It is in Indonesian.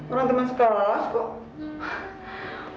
orang teman sekolah kok